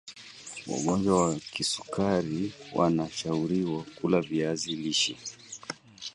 wagonjwa wa kisukari wana shauriwa kula viazi lishe